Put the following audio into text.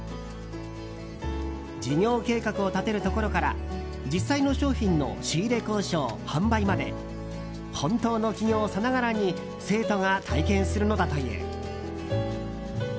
事業計画を立てるところから実際の商品の仕入れ交渉・販売まで本当の起業さながらに生徒が体験するのだという。